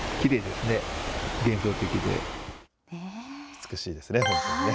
美しいですね、本当にね。